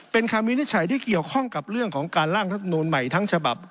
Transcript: เป็นคำวินิจฉัยที่เกี่ยวข้องกับเรื่องของการล่างรัฐมนูลใหม่ทั้งฉบับ